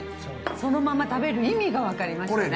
そのまま食べる意味がわかりましたね。